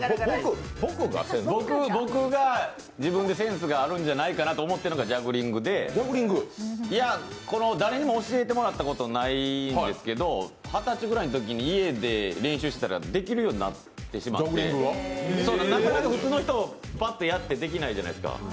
僕が自分でセンスがあると思っているのがジャグリングで、誰にも教えてもらったことはないんですけど二十歳ぐらいのときに家で練習したらできるようになってしまってなかなか普通の人ぱっとやってできないじゃないですか。